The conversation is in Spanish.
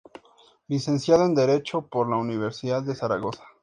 Licenciado en Derecho por la Universidad de Zaragoza.